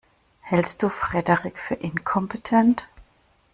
Hältst du Frederik für inkompetent?